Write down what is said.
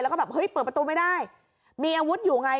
แล้วก็แบบเฮ้ยเปิดประตูไม่ได้มีอาวุธอยู่ไง